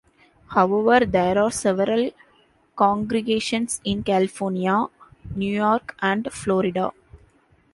However, there are several congregations in California, New York, and Florida.